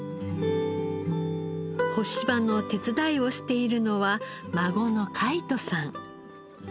干し場の手伝いをしているのは孫の凱仁さん。